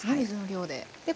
水の量で。